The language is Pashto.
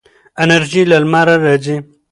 انرژي له لمره راځي.